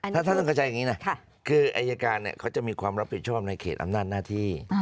ถ้าท่านต้องเข้าใจอย่างนี้นะคืออายการเขาจะมีความรับผิดชอบในเขตอำนาจหน้าที่